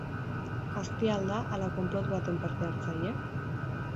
Aztia al da, ala konplot baten parte-hartzaile?